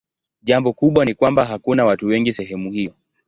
Jambo kubwa ni kwamba hakuna watu wengi sehemu hiyo.